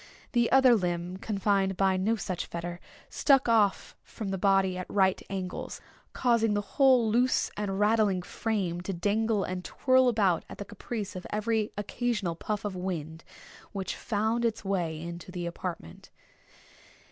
The other limb, confined by no such fetter, stuck off from the body at right angles, causing the whole loose and rattling frame to dangle and twirl about at the caprice of every occasional puff of wind which found its way into the apartment.